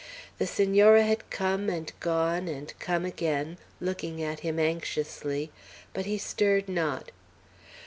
The Senora had come and gone and come again, looking at him anxiously, but he stirred not.